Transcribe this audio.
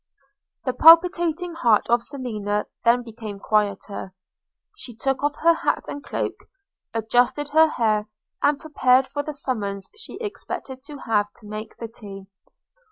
The palpitating heart of Selina then became quieter: she took off her hat and cloak, adjusted her hair, and prepared for the summons she expected to have to make the tea.